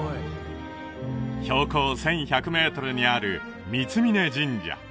標高１１００メートルにある三峯神社